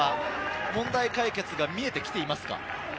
問題解決が見えてきていますか？